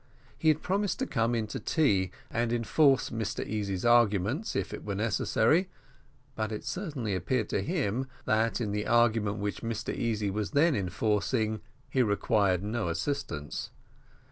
He had promised to come in to tea, and enforce Mr Easy's arguments, if it were necessary; but it certainly appeared to him that in the argument which Mr Easy was then enforcing, he required no assistance.